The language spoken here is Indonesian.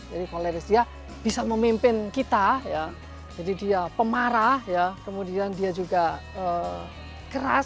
jadi kalau dia bisa memimpin kita jadi dia pemarah kemudian dia juga keras